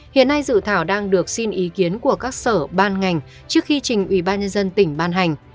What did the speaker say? hiện nay dự thảo đang được xin ý kiến của các sở ban ngành trước khi trình ủy ban nhân dân tỉnh ban hành